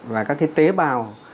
và các tế bào